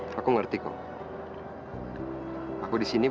kamu pergi dari sini